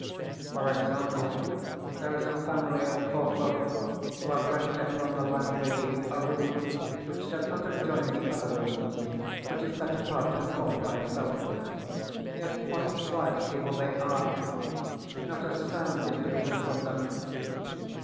For example, there is a family of poor folk who have rented from the landlady a room which does not adjoin the other rooms, but is set apart in a corner by itself. Yet what quiet people they are! Not a sound is to be heard from them.